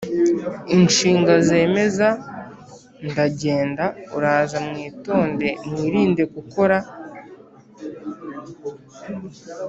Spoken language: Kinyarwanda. Inshinga zemeza ndagenda uraza mwitonde mwirinde gukora